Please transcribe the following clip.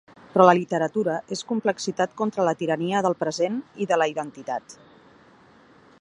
Però la literatura és complexitat contra la tirania del present i de la identitat.